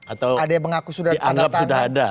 atau dianggap sudah ada